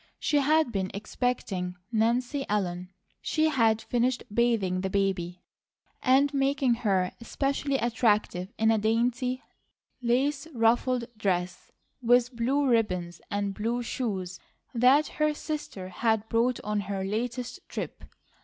She had been expecting Nancy Ellen. She had finished bathing the baby and making her especially attractive in a dainty lace ruffled dress with blue ribbons and blue shoes that her sister had brought on her latest trip.